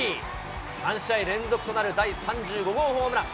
３試合連続となる第３５号ホームラン。